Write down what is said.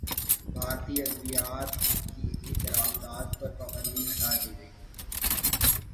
بھارتی ادویات کی درمدات پر پابندی ہٹادی گئی